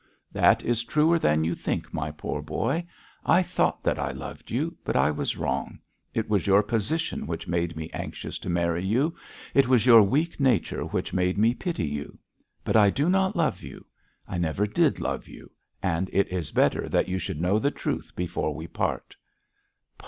'That is truer than you think, my poor boy. I thought that I loved you, but I was wrong. It was your position which made me anxious to marry you; it was your weak nature which made me pity you. But I do not love you; I never did love you; and it is better that you should know the truth before we part.'